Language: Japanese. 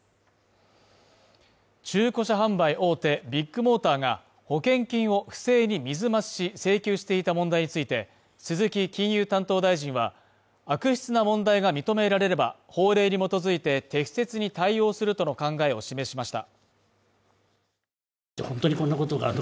中古車販売大手ビッグモーターが保険金を不正に水増し請求していた問題について、鈴木金融担当大臣は、悪質な問題が認められれば、法令に基づいて適切に対応するとの考えを示しました。